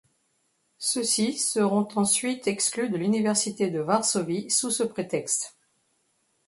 Ceux-ci seront ensuite exclus de l'université de Varsovie sous ce prétexte.